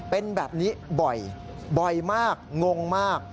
เป็นแบบนี้บ่อยมากงงมาก